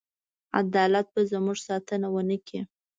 عدالت به زموږ ساتنه ونه کړي.